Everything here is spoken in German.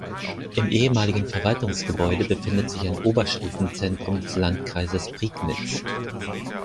Im ehemaligen Verwaltungsgebäude befindet sich ein Oberstufenzentrum des Landkreises Prignitz.